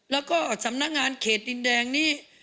แล้วก็สำนักงานเขตดินแดงนี้